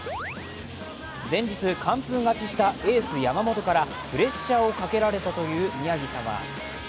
前日完封勝ちしたエース・山本からプレッシャーをかけられたという宮城様。